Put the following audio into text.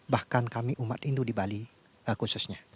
bahkan kami umat hindu di bali khususnya